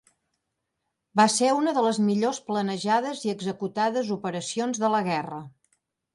Va ser una de les millor planejades i executades operacions de la guerra.